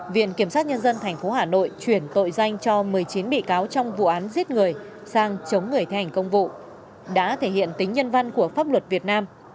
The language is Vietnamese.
viện kiểm sát nhân dân tp hà nội chuyển tội danh cho một mươi chín bị cáo trong vụ án giết người sang chống người thi hành công vụ đã thể hiện tính nhân văn của pháp luật việt nam